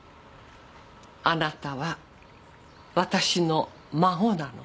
あなたは私の孫なの。